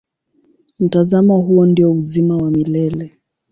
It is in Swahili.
Mtazamo huo ndio uzima wa milele.